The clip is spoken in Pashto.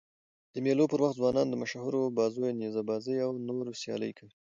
د مېلو پر وخت ځوانان د مشهورو بازيو: نیزه بازي او نورو سيالۍ کوي.